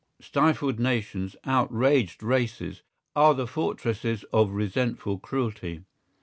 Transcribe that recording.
Stifled nations, outraged races, are the fortresses of resentful cruelty.